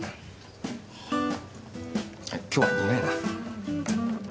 今日は苦いな。